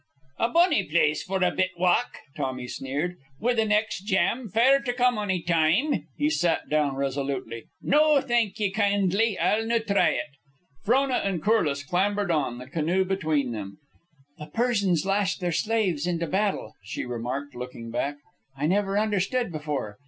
"A bonny place for a bit walk," Tommy sneered, "wi' the next jam fair to come ony time." He sat down resolutely. "No, thank ye kindly, I'll no try it." Frona and Corliss clambered on, the canoe between them. "The Persians lashed their slaves into battle," she remarked, looking back. "I never understood before.